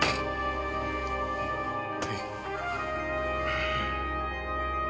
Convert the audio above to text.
はい。